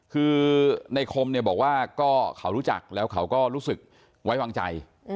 คือในคมเนี่ยบอกว่าก็เขารู้จักแล้วเขาก็รู้สึกไว้วางใจ